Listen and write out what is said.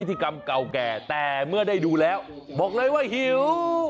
ที่กรรมเก่าแก่แต่เมื่อได้ดูแล้วบอกเลยว่าหิว